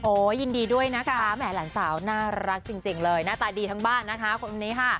ยินดีด้วยนะคะแหมหลานสาวน่ารักจริงเลยหน้าตาดีทั้งบ้านนะคะคนนี้ค่ะ